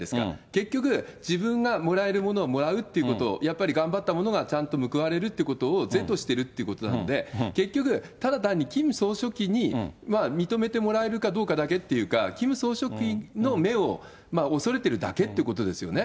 結局、自分がもらえるものはもらうっていうことを、やっぱり頑張った者がちゃんと報われるということを是としてるってことなので、結局、ただ単にキム総書記に認めてもらえるかどうかだけっていうか、キム総書記の目を恐れてるだけっていうことですよね。